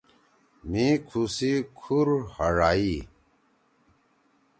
مھی کُھو سی کُھور ہڙائی